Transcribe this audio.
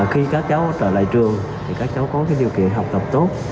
khi các cháu trở lại trường thì các cháu có điều kiện học tập tốt